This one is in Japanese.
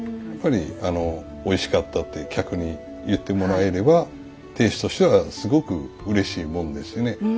やっぱりおいしかったって客に言ってもらえれば亭主としてはすごくうれしいもんですよね。